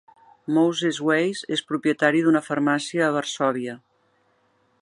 Moses Weiss és propietari d'una farmàcia a Varsòvia.